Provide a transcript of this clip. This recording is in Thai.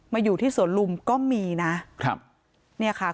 อยู่ที่สวนลุมก็มีนะครับเนี่ยค่ะ